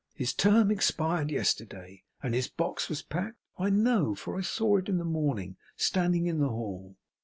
'His term expired yesterday. And his box was packed, I know; for I saw it, in the morning, standing in the hall.